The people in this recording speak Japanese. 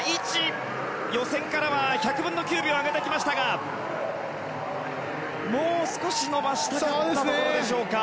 予選からは１００分の９秒上げてきましたがもう少し伸ばしたかったところでしょうか。